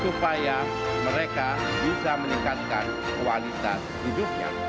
supaya mereka bisa meningkatkan kualitas hidupnya